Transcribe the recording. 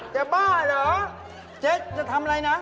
บ้าเหรอเจ๊จะทำอะไรนะ